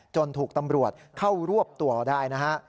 ถูกตำรวจเข้ารวบตัวได้นะฮะ